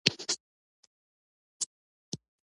ازادي راډیو د د ماشومانو حقونه په اړه د نقدي نظرونو کوربه وه.